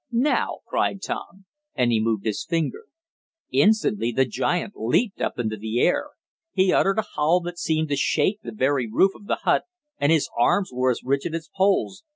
"Now!" cried Tom, and he moved his finger. Instantly the giant leaped up into the air. He uttered a howl that seemed to shake the very roof of the hut, and his arms were as rigid as poles.